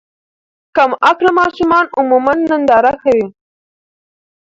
کم عقل ماشومان عموماً ننداره کوي.